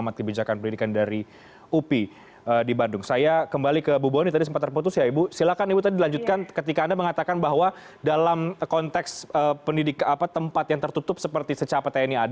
terima kasih pak cecep